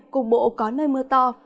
cục bộ có nơi mưa to